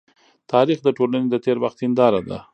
تاریخ د ټولني د تېر وخت هنداره ده.